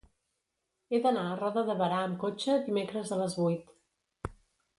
He d'anar a Roda de Berà amb cotxe dimecres a les vuit.